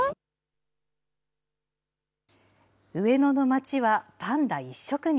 上野の街はパンダ一色に。